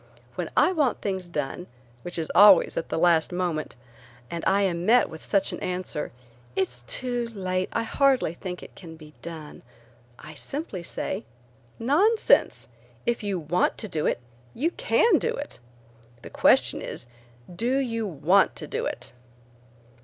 When I want things done, which is always at the last moment, and I am met with such an answer: "It's too late. I hardly think it can be done;" I simply say: "Nonsense! If you want to do it, you can do it. The question is, do you want to do it?"